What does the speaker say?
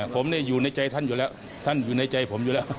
ผมอยู่ในใจท่านอยู่แล้วท่านอยู่ในใจผมอยู่แล้ว